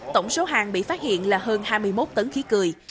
tổng số hàng bị phát hiện là hơn hai mươi một tấn khí cười